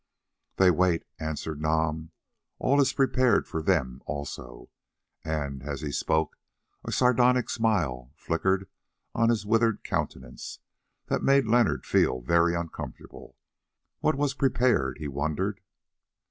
"They wait," answered Nam; "all is prepared for them also": and as he spoke a sardonic smile flickered on his withered countenance that made Leonard feel very uncomfortable. What was prepared, he wondered?